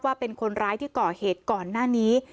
ว่าเป็นคนร้ายที่ก่อเหตุก่อนหน้านี้